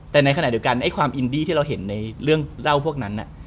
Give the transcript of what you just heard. แต่ในขณะเดียวกันไอ้ความอินดี้ที่เราเห็นในเรื่องเล่าพวกนั้น